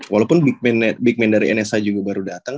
walaupun big man dari nsa juga baru datang